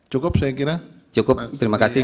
cukup saya kira cukup terima kasih